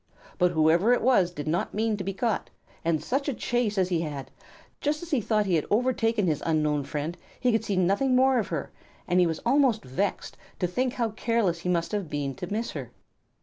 But whoever it was did not mean to be caught, and such a chase as he had! Just as he thought he had overtaken his unknown friend, he could see nothing more of her, and he was almost vexed to think how careless he must have been to miss her.